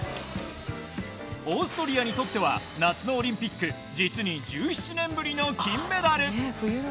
オーストリアにとっては夏のオリンピック実に１７年ぶりの金メダル。